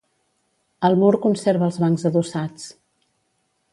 El mur conserva els bancs adossats.